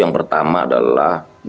yang pertama adalah